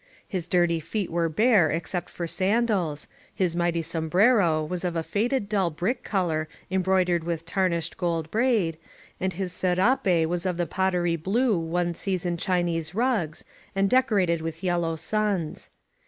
His dirty feet were bare except for sandals, his mighty sombrero was of a faded dull brick color embroidered with tarnished gold braid, and his serape was of the pottery blue one sees in Chinese rugs, and decorated with yellow suns.